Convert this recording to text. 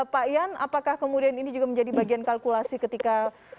pak ian apakah kemudian ini juga menjadi bagian kalkulasi ketika